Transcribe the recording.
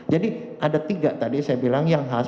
jadi ada tiga tadi saya bilang yang khas